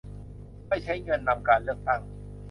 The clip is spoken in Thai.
ไม่ใช้เงินนำการเลือกตั้ง